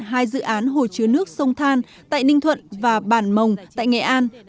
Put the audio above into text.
hai dự án hồ chứa nước sông than tại ninh thuận và bản mồng tại nghệ an